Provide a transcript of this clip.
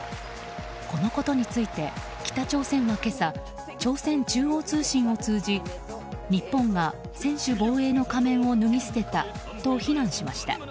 このことについて北朝鮮は今朝朝鮮中央通信を通じ日本が専守防衛の仮面を脱ぎ捨てたと非難しました。